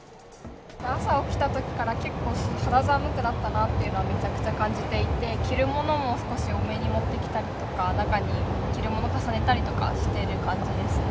朝起きたときから、結構肌寒くなったなっていうのはめちゃくちゃ感じていて、着るものも少し多めに持ってきたりとか、中に着るものを重ねたりとかしてる感じですね。